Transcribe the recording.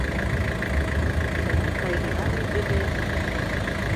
Чыла сай гына лийже ыле...